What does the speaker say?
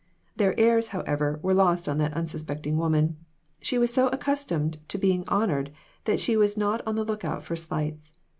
Their airs, however, were lost on that unsuspecting woman. She was so accustomed to being honored that she was not on the look out for slights.